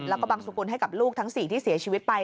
แล้วก็บังสุกุลให้กับลูกทั้ง๔ที่เสียชีวิตไป